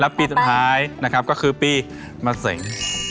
แล้วปีสุดท้ายนะครับก็คือปีมาเซ็ง